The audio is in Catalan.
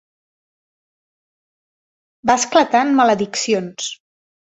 Va esclatar en malediccions.